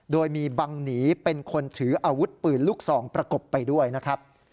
โดยมีบังหนีเป็นคนถืออาวุธปืนลูกซองประกบไปด้วยนะครับ